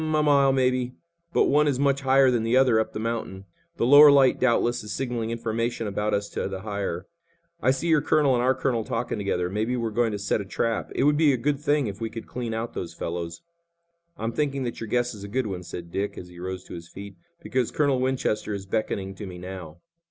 "A mile, maybe, but one is much higher than the other up the mountain. The lower light, doubtless, is signaling information about us to the higher. I see your colonel and our colonel talking together. Maybe we're going to set a trap. It would be a good thing if we could clean out those fellows." "I'm thinking that your guess is a good one," said Dick, as he rose to his feet, "because Colonel Winchester is beckoning to me now."